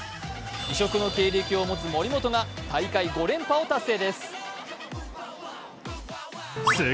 異色の経歴を持つ森本が大会５連覇を達成です。